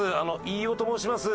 飯尾と申します。